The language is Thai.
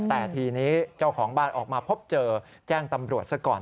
แต่ทีนี้เจ้าของบ้านออกมาพบเจอแจ้งตำรวจซะก่อน